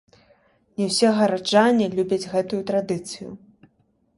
Не ўсе гараджане любяць гэтую традыцыю.